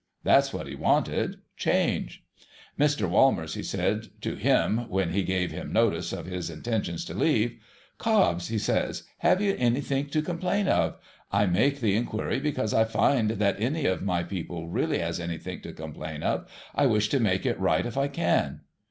That's what he wanted, — change. Mr. Wahners, he said to him when he gave him notice of his intentions to leave, ' Cobbs,' he says, ' have you anythink to com plain of? I make the inquiry because if I find that any of my people really has anythink to complain of, I wish to make it right if I can.'